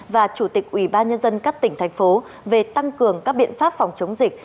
và chủ tịch ubnd các tỉnh thành phố về tăng cường các biện pháp phòng chống dịch